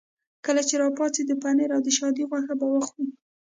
کله چې را پاڅېدو پنیر او د شادي غوښه به وخورو.